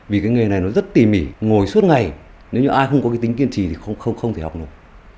vì cái nghề này nó rất tỉ mỉ ngồi suốt ngày nếu như ai không có cái tính kiên trì thì không thể học nổi